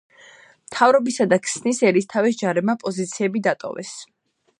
მთავრობისა და ქსნის ერისთავის ჯარებმა პოზიციები დატოვეს.